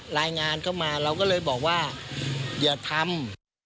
รายงานเข้ามาเราก็เลยบอกว่าอย่าทำ